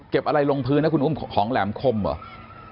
อะไรลงพื้นนะคุณอุ้มของแหลมคมเหรอ